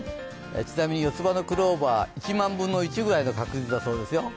ちなみに四つ葉のクローバー、１万分の１ぐらいの確率だそうですよ。